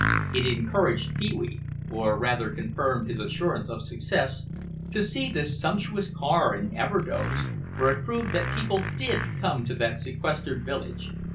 It encouraged Pee wee (or rather confirmed his assurance of success) to see this sumptuous car in Everdoze, for it proved that people did come to that sequestered village.